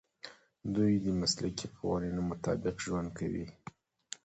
دوی د مسلکي قوانینو مطابق ژوند کوي.